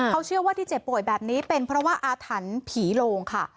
เขาเชื่อว่าที่เจ็บป่วยแบบนี้เป็นเพราะว่าอาถรรพ์ผีโลงค่ะ